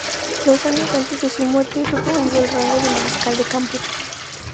Dos años antes de su muerte fue promovido al rango de mariscal de campo.